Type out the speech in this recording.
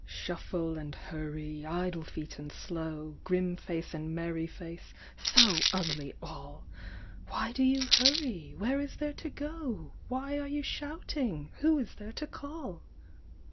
Shuffle and hurry, idle feet and slow, Grim face and merry face, so ugly all ! Why do you hurry ? Where is there to go ? Why are you shouting ? Who is there to call